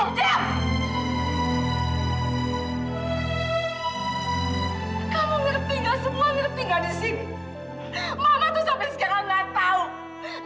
kamu ngerti gak semua ngerti gak disini